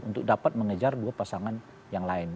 untuk dapat mengejar dua pasangan yang lain